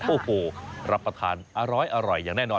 โอ้โหรับประทานอร้อยอย่างแน่นอน